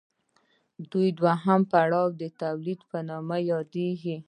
دویم پړاو د تولید په نوم یادېږي